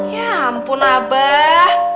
ya ampun abah